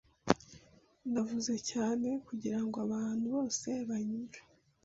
Navuze cyane kugirango abantu bose banyumve.